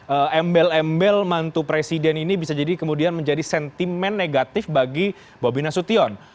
embel embel mantu presiden ini bisa jadi kemudian menjadi sentimen negatif bagi bobi nasution